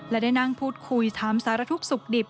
และได้นั่งพูดคุยถามสารทุกข์สุขดิบ